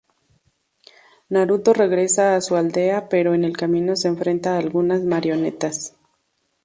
Naruto regresa a su aldea pero en el camino se enfrenta a algunas marionetas.